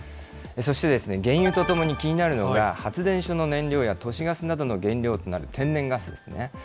そして、原油とともに気になるのが、発電所の燃料や都市ガスなどの原料となる天然ガスですね。